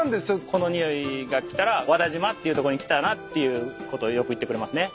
この匂いが来たら「和田島っていうとこに来たな」っていうことよく言ってくれますね。